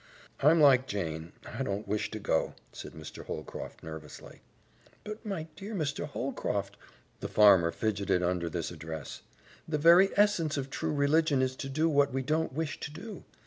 "I'm like Jane, I don't wish to go," said Mr. Holcroft nervously. "But my dear Mr. Holcroft," the farmer fidgeted under this address, "the very essence of true religion is to do what we don't wish to do.